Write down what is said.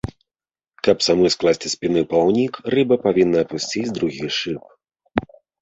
Каб самой скласці спінны плаўнік, рыба павінна апусціць другі шып.